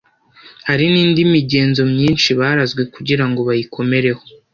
hari n’indi migenzo myinshi barazwe kugira ngo bayikomereho